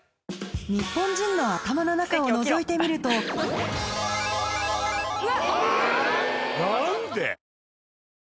ニッポン人の頭の中をのぞいてみるとはい。